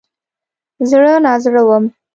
زړه نازړه وم.